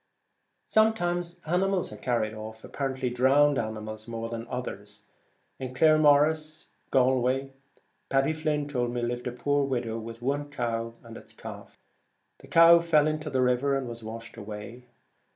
Sometimes animals are carried off — apparently drowned animals more than others. In Claremorris, Gal way, Paddy Flynn told me, lived a poor widow with one cow and its calf. The cow fell into the river, and was washed away.